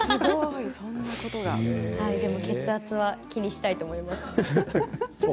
血圧は気にしたいと思います。